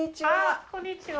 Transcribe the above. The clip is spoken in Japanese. こんにちは。